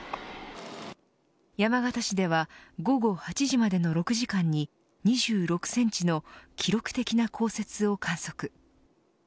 山形市では午後８時までの６時間に２６センチの記録的な降雪を観測。